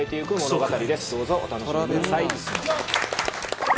どうぞお楽しみください。